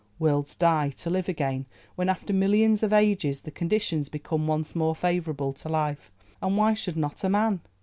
Worlds die, to live again when, after millions of ages, the conditions become once more favourable to life, and why should not a man?